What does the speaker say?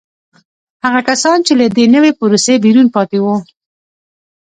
هغه کسان چې له دې نوې پروسې بیرون پاتې وو